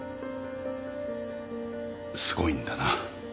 すごいんだな。